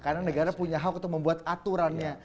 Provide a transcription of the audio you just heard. karena negara punya hak untuk membuat aturannya